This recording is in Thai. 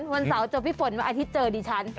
วันเสาร์ตระเฟรมอาทิตย์เจอดิฉัน